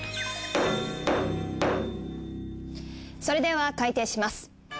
それでは開廷します。